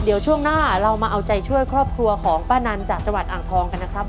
เดี๋ยวช่วงหน้าเรามาเอาใจช่วยครอบครัวของป้านันจากจังหวัดอ่างทองกันนะครับ